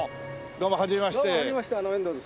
どうもはじめまして遠藤です。